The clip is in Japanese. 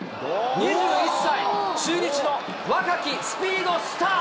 ２１歳、中日の若きスピードスター。